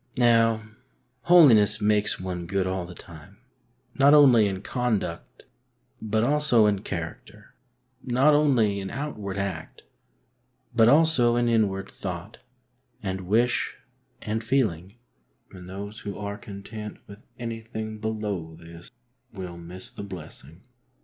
Now, holiness makes one good all the time ; not only in conduct, but also in character ; not only in outward act, but also in inward thought and wish and feeling, and those who are content with anything below this will miss the blessing.